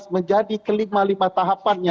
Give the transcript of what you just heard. menjadi kelima lima tahapannya